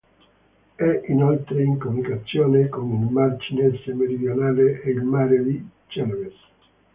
È inoltre in comunicazione con il mar Cinese meridionale e il mare di Celebes.